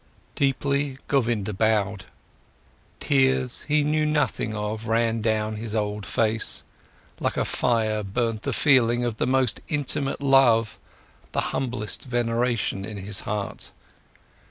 Deeply, Govinda bowed; tears he knew nothing of, ran down his old face; like a fire burned the feeling of the most intimate love, the humblest veneration in his heart.